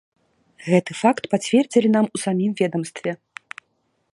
Гэты факт пацвердзілі нам у самім ведамстве.